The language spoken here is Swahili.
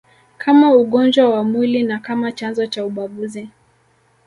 kama ugonjwa wa mwili na kama chanzo cha ubaguzi